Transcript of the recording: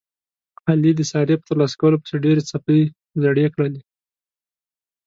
علي د سارې په ترلاسه کولو پسې ډېرې څپلۍ زړې کړلې.